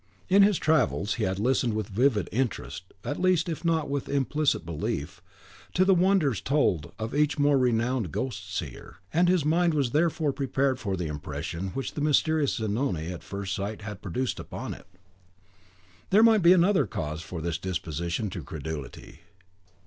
In his travels he had listened with vivid interest, at least, if not with implicit belief, to the wonders told of each more renowned Ghost seer, and his mind was therefore prepared for the impression which the mysterious Zanoni at first sight had produced upon it. There might be another cause for this disposition to credulity.